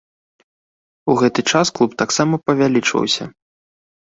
У гэты час клуб таксама павялічваўся.